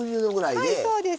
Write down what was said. はいそうです。